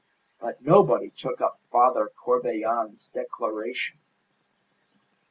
But nobody took up Father Corbelan's declaration.